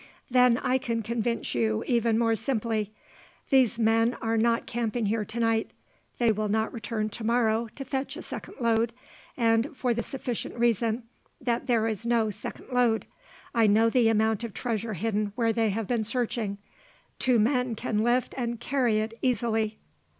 "Then I can convince you even more simply. These men are not camping here to night; they will not return to morrow to fetch a second load; and for the sufficient reason that there is no second load. I know the amount of treasure hidden where they have been searching. Two men can lift and carry it easily."